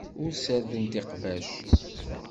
Ur ssardent iqbac.